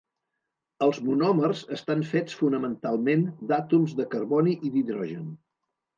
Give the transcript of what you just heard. Els monòmers estan fets fonamentalment, d'àtoms de carboni i d'hidrogen.